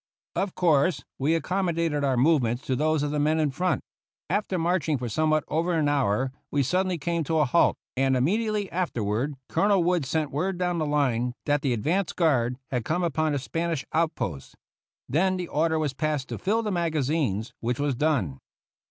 Of course, we accommodated our movements to those of the men in front. After marching for somewhat over an hour, we suddenly came to a halt, and immediately afterward Colonel Wood sent word down the line that the advance guard had come upon a Spanish outpost. Then the order was passed to fill the magazines, which was done.